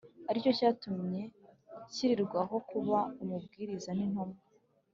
ari cyo cyatumye nshyirirwaho kuba umubwiriza n’intumwa